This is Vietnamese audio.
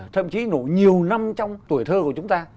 thậm chí nổ nhiều năm trong tuổi thơ của chúng ta